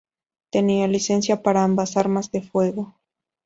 Tenía licencia para ambas armas de fuego.